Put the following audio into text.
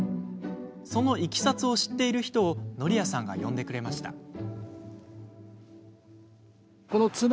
そのいきさつを知っている人を則也さんが呼んでくれました。